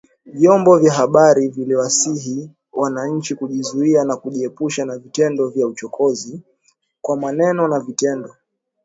Vyomo vya habari viliwasihi wananchi kujizuia na kujiepusha na vitendo vya uchokozi, kwa maneno na vitendo